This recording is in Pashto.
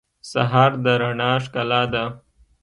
سهار د رڼا ښکلا ده.